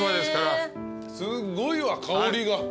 すごいわ香りが。